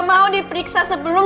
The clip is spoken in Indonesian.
saya gak mau diperiksa sebelum